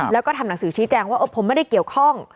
แล้วก็ทำหนังสือชี้แจงว่าผมไม่ได้เกี่ยวข้อง